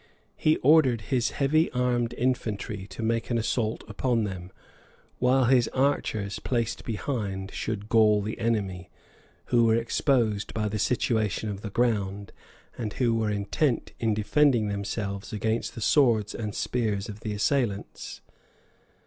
He ordered his heavy armed infantry to make an assault upon them; while his archers, placed behind, should gall the enemy, who were exposed by the situation of the ground, and who were intent in defending themselves against the swords and spears of the assailants.